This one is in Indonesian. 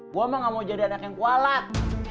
gua emak gak mau jadi anak yang kualat